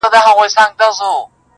خو زړه کي سيوری شته تل،